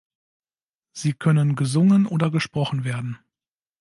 Sie können gesungen oder gesprochen werden.